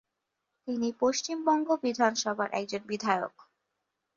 তিনি পশ্চিমবঙ্গ বিধানসভার একজন বিধায়ক।